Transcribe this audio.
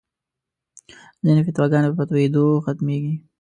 ځینې فتواګانې په تویېدو ختمېږي.